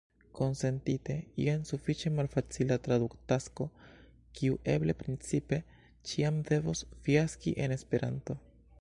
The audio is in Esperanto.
Konsentite, jen sufiĉe malfacila traduktasko, kiu eble principe ĉiam devos fiaski en Esperanto.